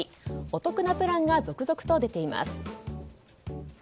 お得なプランが続々と出ています。